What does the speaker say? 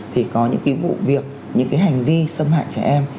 thì có những cái vụ việc những cái hành vi xâm hại trẻ em